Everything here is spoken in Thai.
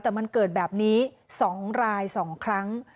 แต่มันเกิดแบบนี้๒ราย๒ครั้ง